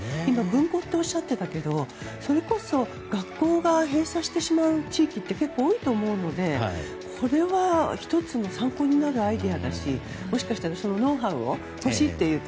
分校とおっしゃってたけどそれこそ学校が閉鎖してしまう地域って結構多いと思うのでこれは１つの参考になるもしかしたらそのノウハウが欲しいという